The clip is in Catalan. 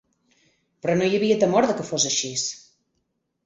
Però no hi havia temor de que fos axis.